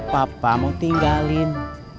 papa mau tinggalin